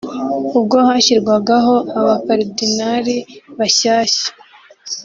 ubwo hashyirwagaho abakaridinali bashyashya